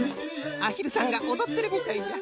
アヒルさんがおどってるみたいじゃ。